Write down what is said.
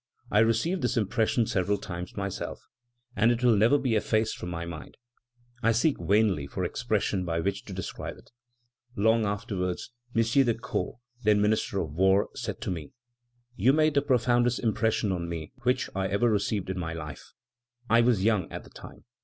I received this impression several times myself, and it will never be effaced from my mind; I seek vainly for expressions by which to describe it. Long afterwards, M. de Caux, then Minister of War, said to me: 'You made the profoundest impression on me which I ever received in my life. I was young at the time.